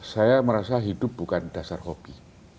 saya merasa hidup bukan dasar hobi